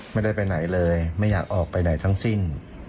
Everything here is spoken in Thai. ไม่ได้ไปไหนเลยไม่อยากออกไปไหนทั้งสิ้น